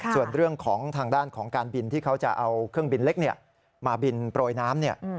ส่วนเรื่องของทางด้านของการบินที่เขาจะเอาเครื่องบินเล็กมาบินโปรยน้ำ